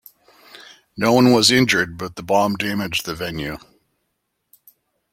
No one was injured, but the bomb damaged the venue.